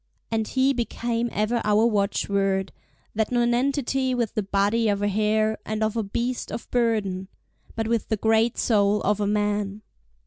And he became ever our watchword, that nonentity with the body of a hare, and of a beast of burden—but with the great soul of a man!